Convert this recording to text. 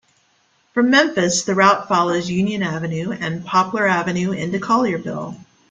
From Memphis, the route follows Union Avenue and Poplar Avenue into Collierville.